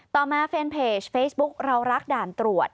ต่อมาแฟนเพจเฟซบุ๊คเรารักด่านตรวจ